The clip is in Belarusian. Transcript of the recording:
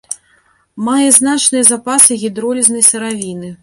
Мае значныя запасы гідролізнай сыравіны.